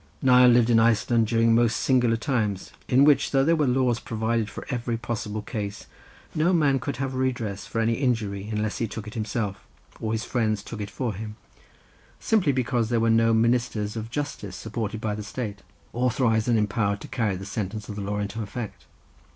Nial lived in Iceland during most singular times, in which though there were laws provided for every possible case, no man could have redress for any injury unless he took it himself or his friends took it for him, simply because there were no ministers of justice supported by the State, authorized and empowered to carry the sentence of the law into effect.